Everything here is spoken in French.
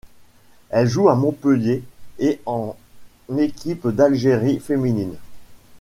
Elle joue à Montpellier et en équipe d'Algérie féminine.